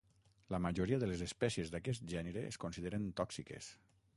La majoria de les espècies d'aquest gènere es consideren tòxiques.